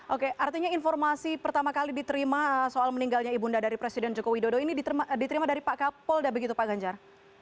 oke artinya informasi pertama kali diterima soal meninggalnya ibunda dari presiden joko widodo ini diterima dari pak kapolda begitu pak ganjar